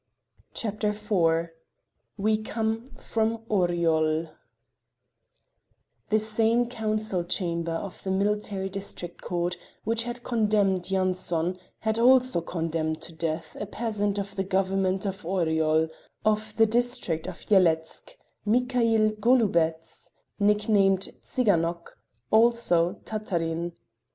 CHAPTER IV WE COME FROM ORYOL The same council chamber of the military district court which had condemned Yanson had also condemned to death a peasant of the Government of Oryol, of the District of Yeletzk, Mikhail Golubets, nicknamed Tsiganok, also Tatarin.